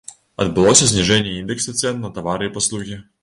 Адбылося зніжэнне індэкса цэн на тавары і паслугі.